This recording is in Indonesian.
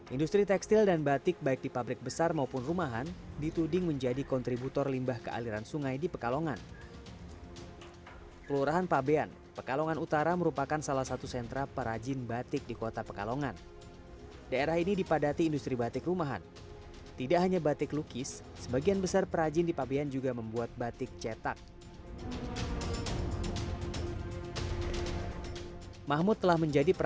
industri tekstil dan batik baik di pabrik besar maupun rumahan dituding menjadi kontributor limbah